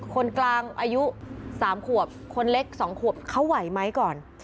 คนกลางอายุ๓ขวบคนเล็ก๒ขวบเขาไหวไหมก่อน